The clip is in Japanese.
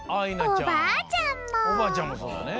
おばあちゃんもそうだね。